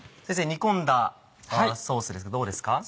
煮込んだソースですがどうですか？